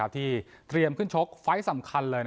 ที่เตรียมขึ้นชกไฟล์สำคัญเลย